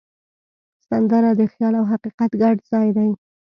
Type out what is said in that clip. سندره د خیال او حقیقت ګډ ځای دی